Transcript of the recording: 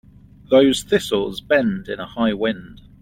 Those thistles bend in a high wind.